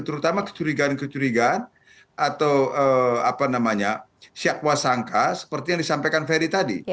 terutama kecurigaan kecurigaan atau apa namanya syakwa sangka seperti yang disampaikan ferry tadi